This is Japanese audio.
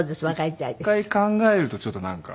一回考えるとちょっとなんか。